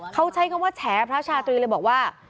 เขาใช้คำว่าแฉพระชาตรีเลยบอกว่า